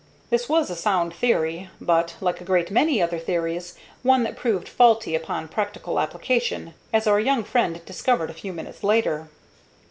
This was a sound theory, but, like a great many other theories, one that proved faulty upon practical application, as our young friend discovered a few minutes later.